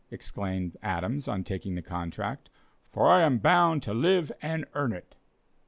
exclaimed Adams on taking the contract; "for I am bound to live and earn it."